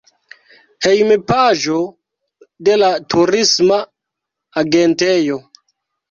Hejmpaĝo de la turisma agentejo.